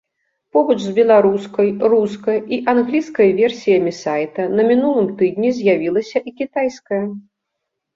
Побач з беларускай, рускай і англійскай версіямі сайта на мінулым тыдні з'явілася і кітайская.